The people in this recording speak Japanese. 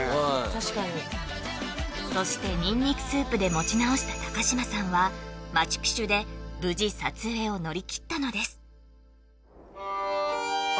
確かにそしてにんにくスープで持ち直した高嶋さんはマチュ・ピチュで無事撮影を乗り切ったのですあっ